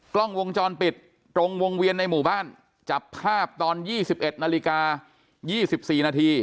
กล้องวงจรปิดตรงวงเวียนในหมู่บ้านจับภาพตอน๒๑นาฬิกา๒๔นาที